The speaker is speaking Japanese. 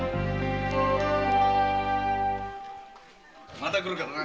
また来るからな。